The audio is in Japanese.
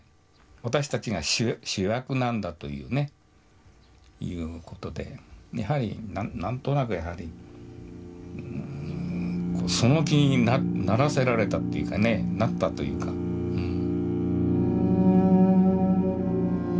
私たちが主役なんだというねいうことでやはり何となくその気にならせられたっていうかねなったというかうん。